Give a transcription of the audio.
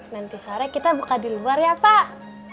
nanti sore kita buka di luar ya pak